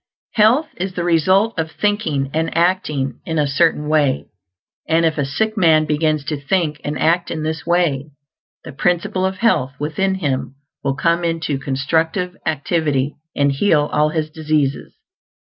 Health is the result of thinking and acting in a Certain Way; and if a sick man begins to think and act in this Way, the Principle of Health within him will come into constructive activity and heal all his diseases.